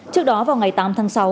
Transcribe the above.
trước đó vào ngày tám tháng sáu